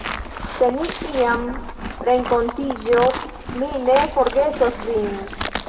Se ni iam renkontiĝos, mi ne forgesos vin.